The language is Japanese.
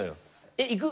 えっ行く？